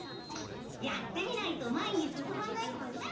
やってみないとまえにすすまないもんな。